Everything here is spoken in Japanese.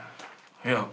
いや。